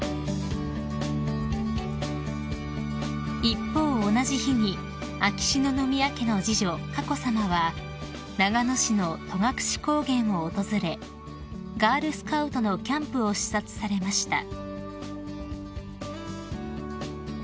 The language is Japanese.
［一方同じ日に秋篠宮家の次女佳子さまは長野市の戸隠高原を訪れガールスカウトのキャンプを視察されました］